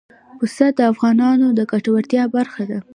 پسه د افغانانو د ګټورتیا برخه ده.